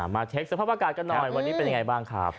เช็คสภาพอากาศกันหน่อยวันนี้เป็นยังไงบ้างครับ